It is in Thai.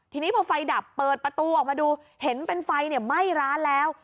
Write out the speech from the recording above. ทีนี้พอไฟดับเปิดประตูออกมาดูเห็นเป็นไฟไหม้ร้านแล้ว